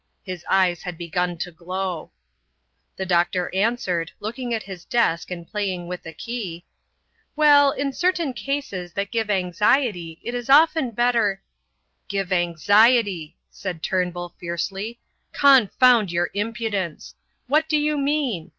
His eyes had begun to glow. The doctor answered, looking at his desk and playing with a key: "Well, in certain cases that give anxiety it is often better " "Give anxiety," said Turnbull, fiercely. "Confound your impudence! What do you mean?